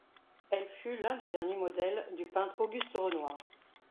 Elle fut l'un des derniers modèles du peintre Auguste Renoir.